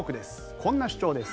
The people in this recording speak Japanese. こんな主張です。